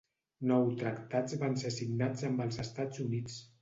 Nou tractats van ser signats amb els Estats Units.